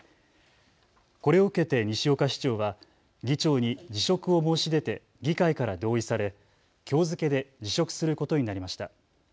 これを受けて西岡市長は議長に辞職を申し出て議会から同意されきょう付けで辞職することになりました。